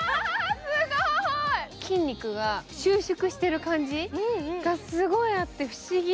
筋肉が収縮している感じがすごいあって、不思議。